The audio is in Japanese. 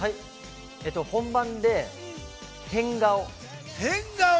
本番で変顔。